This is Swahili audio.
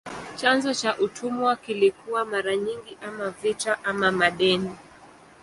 Chanzo cha utumwa kilikuwa mara nyingi ama vita ama madeni.